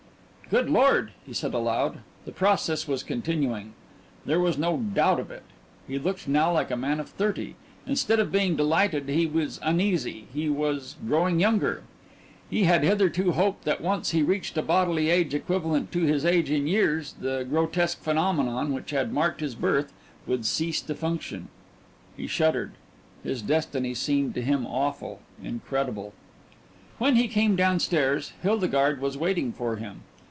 "Good Lord!" he said aloud. The process was continuing. There was no doubt of it he looked now like a man of thirty. Instead of being delighted, he was uneasy he was growing younger. He had hitherto hoped that once he reached a bodily age equivalent to his age in years, the grotesque phenomenon which had marked his birth would cease to function. He shuddered. His destiny seemed to him awful, incredible. When he came downstairs Hildegarde was waiting for him.